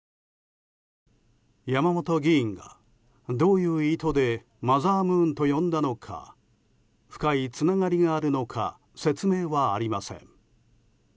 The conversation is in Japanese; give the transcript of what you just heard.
山本議員が、どういう意図でマザームーンと呼んだのか深いつながりがあるのか説明はありません。